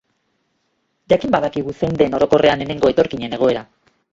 Jakin badakigu zein den, orokorrean, hemego etorkinen egoera.